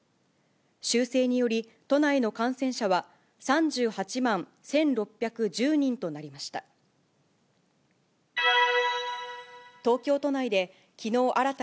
修正により、都内の感染者は３８万１６１０人となりました。